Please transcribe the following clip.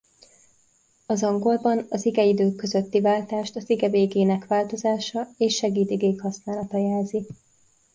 Az angolban az igeidők közötti váltást az ige végének változása és segédigék használata jelzi.